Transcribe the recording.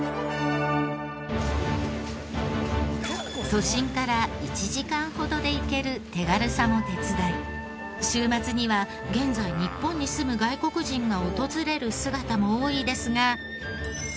都心から１時間ほどで行ける手軽さも手伝い週末には現在日本に住む外国人が訪れる姿も多いですが。